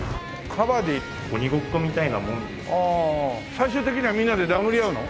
最終的にはみんなで殴り合うの？